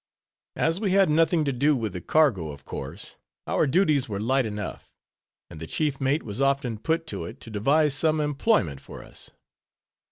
As we had nothing to do with the cargo, of course, our duties were light enough; and the chief mate was often put to it to devise some employment for us.